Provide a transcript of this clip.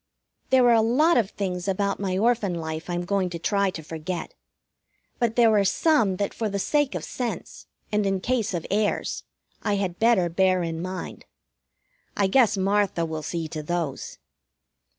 There are a lot of things about my Orphan life I'm going to try to forget. But there are some that for the sake of sense, and in case of airs, I had better bear in mind. I guess Martha will see to those.